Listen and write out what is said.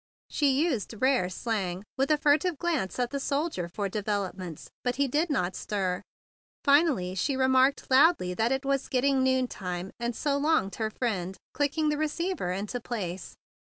She used rare slang, with a furtive glance at the soldier for 106 THE BIG BLUE SOLDIER developments; but he did not stir. Fi¬ nally she remarked loudly that it was getting noontime, and "so longed" her friend, clicking the receiver into place.